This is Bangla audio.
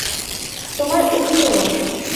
তোমার এ কী হল!